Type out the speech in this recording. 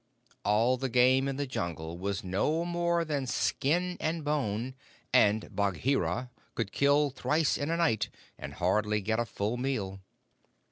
All the game in the Jungle was no more than skin and bone, and Bagheera could kill thrice in a night, and hardly get a full meal.